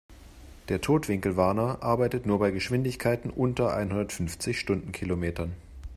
Der Totwinkelwarner arbeitet nur bei Geschwindigkeiten unter einhundertfünfzig Stundenkilometern.